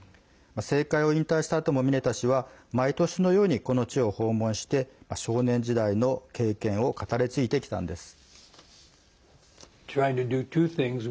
政界を引退したあともミネタ氏は毎年のように、この地を訪問して少年時代の経験を語り継いできたんです。